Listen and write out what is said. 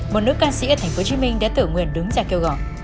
một nữ ca sĩ ở tp hcm đã tự nguyện đứng ra kêu gọi